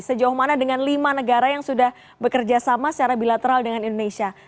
sejauh mana dengan lima negara yang sudah bekerja sama secara bilateral dengan indonesia